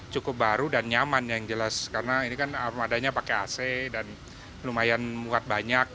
cukup baru dan nyaman yang jelas karena ini kan armadanya pakai ac dan lumayan muat banyak